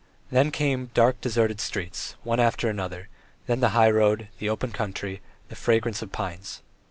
Then came wide, dark, deserted streets, one after another; then the highroad, the open country, the fragrance of pines.